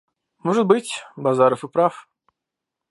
Может быть, Базаров и прав.